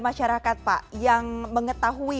masyarakat pak yang mengetahui